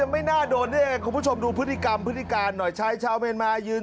มันจะไม่หน้าโดน